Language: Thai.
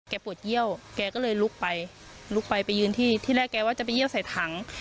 ปวดเยี่ยวแกก็เลยลุกไปลุกไปไปยืนที่ที่แรกแกว่าจะไปเยี่ยวใส่ถัง